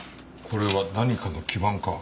これは何かの基板か？